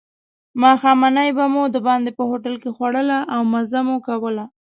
ماښامنۍ به مو دباندې په هوټل کې خوړله او مزه مو کوله.